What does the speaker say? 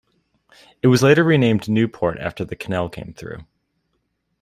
It was later renamed Newport after the canal came through.